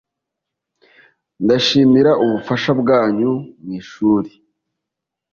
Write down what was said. ndabashimira ubufasha bwanyu mwishuri